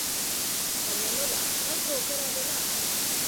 Baina nola, kalko okerra dela?